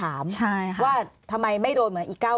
ก้าวอันนี้มี๑๐ค่ะ